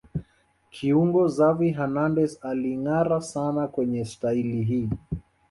Kiungo Xavi Hernandez alingâara sana kwenye staili hii